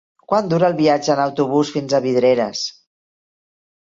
Quant dura el viatge en autobús fins a Vidreres?